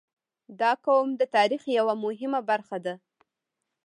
• دا قوم د تاریخ یوه مهمه برخه ده.